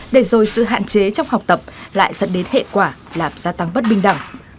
để rồi sự hạn chế trong học tập lại dẫn đến hệ quả làm gia tăng bất bình đẳng